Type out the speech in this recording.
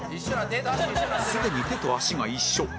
すでに手と足が一緒